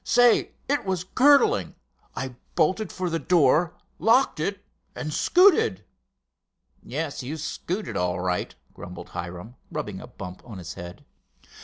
Say, it was curdling! I bolted for the door, locked it, and scooted." "Yes, you scooted all right," grumbled Hiram, rubbing a bump on his head.